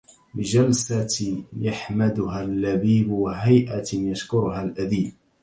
بجلسة يحمدها اللبيبُ وهيئة يشكرها الأديبُ